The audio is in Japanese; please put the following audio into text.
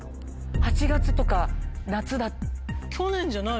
８月とか夏。